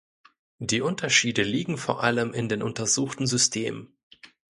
Die Unterschiede liegen vor allem in den untersuchten Systemen.